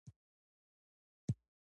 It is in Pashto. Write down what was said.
هغوی د آرام شمیم سره په باغ کې چکر وواهه.